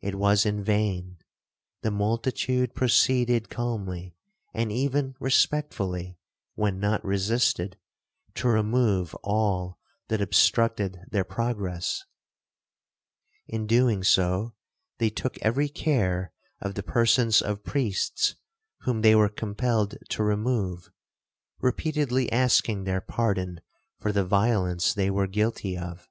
It was in vain; the multitude proceeded calmly, and even respectfully, (when not resisted), to remove all that obstructed their progress; in doing so, they took every care of the persons of priests whom they were compelled to remove, repeatedly asking their pardon for the violence they were guilty of.